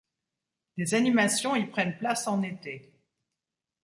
Des animations y prennent place en été.